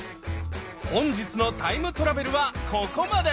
本日のタイムトラベルはここまで。